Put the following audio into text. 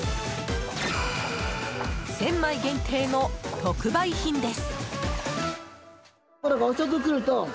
１０００枚限定の特売品です。